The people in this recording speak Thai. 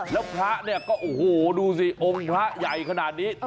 แล้วพระเนี่ยก็โอ้โหดูสิองค์พระใหญ่ขนาดนี้